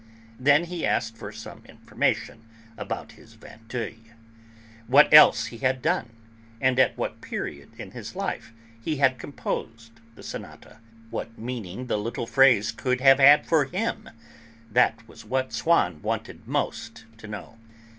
Then he asked for some information about this Vinteuil; what else he had done, and at what period in his life he had composed the sonata; what meaning the little phrase could have had for him, that was what Swann wanted most to know.